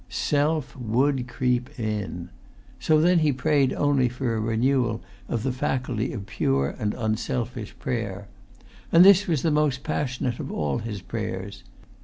Self would creep in. So then he prayed only for a renewal of the faculty of pure and unselfish prayer. And this was the most passionate of all his prayers.